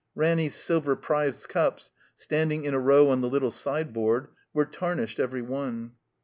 Ranny's silver prize cups, standing in a row on the little sideboard, were tarnished every one.